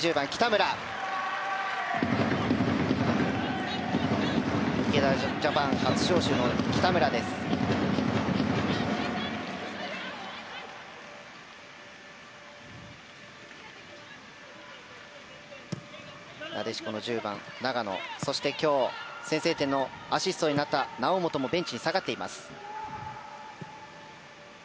なでしこの１０番、長野そして今日先制点のアシストになった猶本もベンチに下がっています。